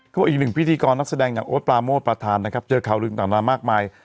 ก็อีกหนึ่งพิธีกรนักแสดงอย่างโอ๊ตปราโมทประธานนะครับเจอข่าวลืมต่างนามากมาย